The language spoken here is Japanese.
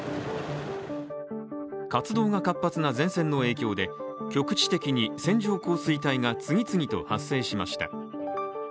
活動が活発な前線の影響で局地的に線状降水帯が次々と発生しました。